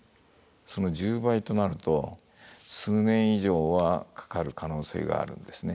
その１０倍となると数年以上はかかる可能性があるんですね。